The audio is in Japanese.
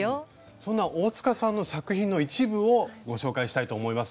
そんな大さんの作品の一部をご紹介したいと思います。